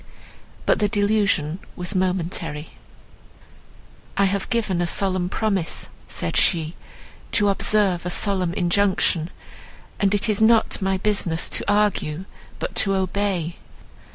But the delusion was momentary. "I have given a solemn promise," said she, "to observe a solemn injunction, and it is not my business to argue, but to obey.